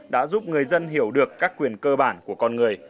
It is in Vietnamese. đã giúp người dân hiểu được các quyền cơ bản của con người